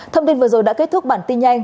thông tin vừa rồi đã kết thúc bản tin nhanh